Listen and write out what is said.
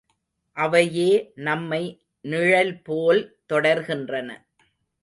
அவையே நம்மை நிழல்போல் தொடர்கின்றன.